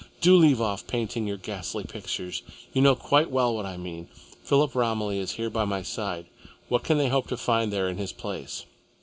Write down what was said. Do leave off painting your ghastly pictures. You know quite well what I mean. Philip Romilly is here by my side. What can they hope to find there in his place?"